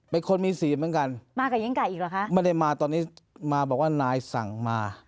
เป็นคนมีสีเหมือนกันมากับหญิงไก่อีกเหรอคะไม่ได้มาตอนนี้มาบอกว่านายสั่งมา